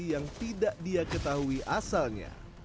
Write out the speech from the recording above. yang tidak dia ketahui asalnya